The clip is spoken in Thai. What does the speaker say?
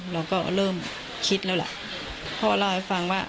เราก็เริ่มคิดแล้วล่ะพ่อเล่าให้ฟังว่า